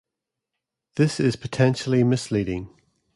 This is potentially misleading.